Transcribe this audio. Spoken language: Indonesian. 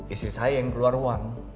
istri saya yang keluar uang